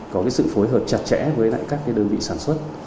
có sự phối hợp chặt chẽ với các đơn vị sản xuất